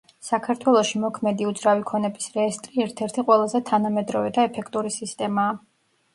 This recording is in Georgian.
საქართველოში მოქმედი უძრავი ქონების რეესტრი ერთ-ერთი ყველაზე თანამედროვე და ეფექტური სისტემაა.